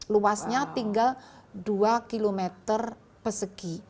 luasnya tinggal dua km persegi